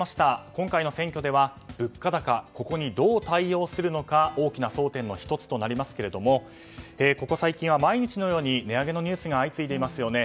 今回の選挙では物価高、ここにどう対応するのか大きな争点の１つとなりますがここ最近は毎日のように値上げのニュースが相次いでいますよね。